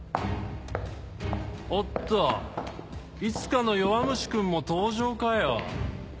おっといつかの弱虫君も登場かよ。